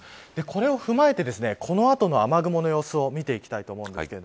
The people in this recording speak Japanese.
これを踏まえてこの後の雨雲の様子を見ていきたいと思います。